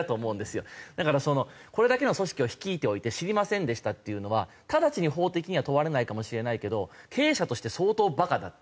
だからこれだけの組織を率いておいて「知りませんでした」っていうのは直ちに法的には問われないかもしれないけど経営者として相当バカだった。